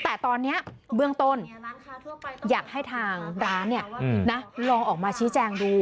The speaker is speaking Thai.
แต่ตอนนี้เบื้องต้นอยากให้ทางร้านลองออกมาชี้แจงดู